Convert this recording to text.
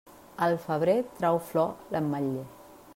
El febrer trau flor l'ametller.